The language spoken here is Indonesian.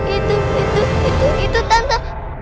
itu itu itu itu tante